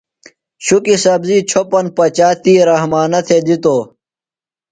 شُکیۡ سبزی چھوپن پچا تی رحمانہ تھےۡ دِتوۡ۔